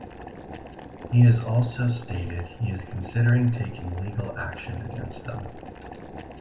He has also stated he is considering taking legal action against them.